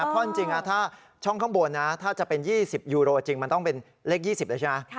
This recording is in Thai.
เพราะจริงถ้าช่องข้างบนนะถ้าจะเป็น๒๐ยูโรจริงมันต้องเป็นเลข๒๐แล้วใช่ไหม